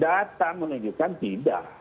data menunjukkan tidak